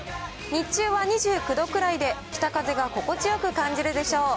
日中は２９度くらいで、北風が心地よく感じるでしょう。